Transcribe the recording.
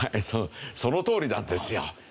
そのとおりなんですよ。